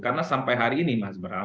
karena sampai hari ini mas bram